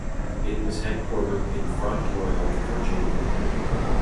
It was headquartered in Front Royal, Virginia.